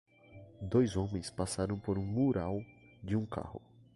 Dois homens passando por um mural de um carro.